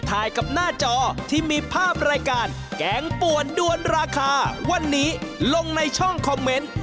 ที่จะมีภาพรายการแกงปวนด่วนราคาวันนี้ลงในช่องคอมเมนต์